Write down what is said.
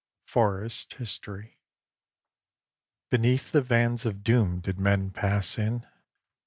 FOREST HISTORY I BENEATH the vans of doom did men pass in.